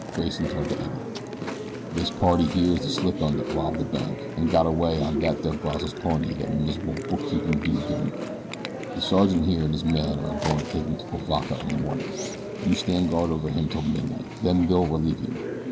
Grayson turned to Eddie. "This party here is the slick un that robbed the bank, and got away on thet there Brazos pony thet miserable bookkeepin' dude giv him. The sergeant here an' his men are a goin' to take him to Cuivaca in the mornin'. You stand guard over him 'til midnight, then they'll relieve you.